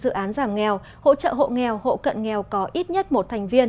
tỉnh phấn đấu giảm nghèo hỗ trợ hộ nghèo hộ cận nghèo có ít nhất một thành viên